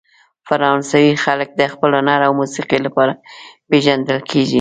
فرانسوي خلک د خپل هنر او موسیقۍ لپاره پېژندل کیږي.